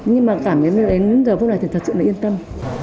nhưng mà cảm thấy đến giờ phút này thì thật sự là yên tâm